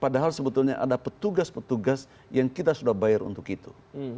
padahal sebetulnya ada petugas petugas yang kita sudah bayar untuk itu